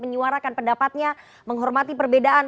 menyuarakan pendapatnya menghormati perbedaan